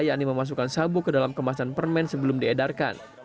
yakni memasukkan sabu ke dalam kemasan permen sebelum diedarkan